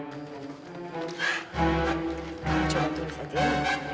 akhirnya kocok sama burnout on istri